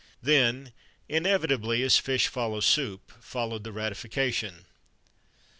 Then, inevitably as fish follows soup, followed the ratification.